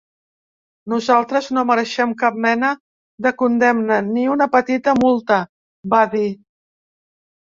Nosaltres no mereixem cap mena de condemna, ni una petita multa, va dir.